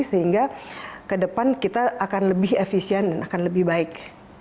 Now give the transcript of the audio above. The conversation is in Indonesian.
sehingga ke depan kita akan lebih efisien dan akan lebih baik